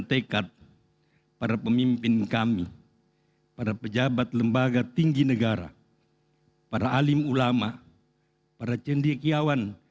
tekad para pemimpin kami para pejabat lembaga tinggi negara para alim ulama para cendekiawan